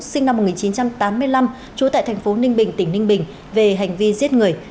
sinh năm một nghìn chín trăm tám mươi năm trú tại thành phố ninh bình tỉnh ninh bình về hành vi giết người